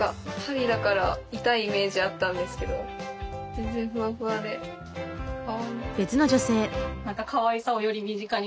全然ふわふわでかわいい。